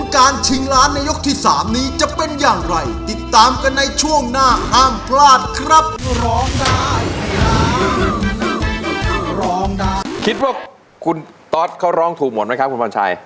คุณตอธคิดว่าคุณตอธก็ร้องถูกหมดไหมครับคุณพ่อชาย